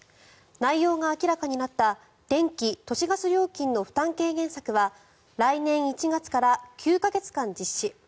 内容が明らかになった電気・都市ガス料金の負担軽減策は来年１月から９か月間実施。